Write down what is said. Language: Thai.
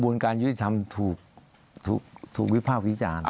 ขบูรณ์การยุทธิศทำถูกวิภาคอุจจาริย์